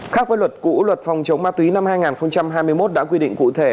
khác với luật cũ luật phòng chống ma túy năm hai nghìn hai mươi một đã quy định cụ thể